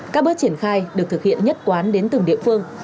các bước triển khai được thực hiện nhất quán đến từng địa phương